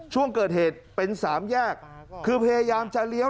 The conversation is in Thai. ช่วงเกิดเหตุเป็นสามแยกคือพยายามจะเลี้ยว